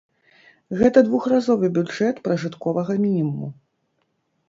Гэта двухразовы бюджэт пражытковага мінімуму.